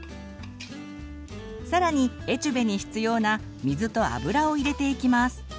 さらにエチュベに必要な水と油を入れていきます。